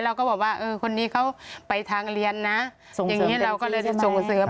เราก็บอกว่าเออคนนี้เขาไปทางเรียนนะอย่างนี้เราก็เลยส่งเสริม